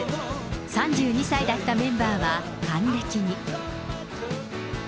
３２歳だったメンバーは還暦に。